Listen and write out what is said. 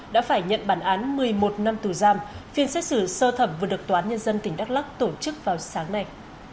đã phải nhận bản án một mươi một năm tù giam phiên xét xử sơ thẩm vừa được tòa án nhân dân tỉnh đắk lắc tổ chức vào sáng nay